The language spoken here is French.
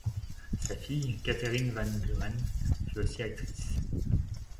Sa fille Katherine Van Buren fut aussi actrice.